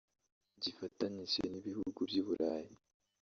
gifatanyije n’ibihugu by’i Burayi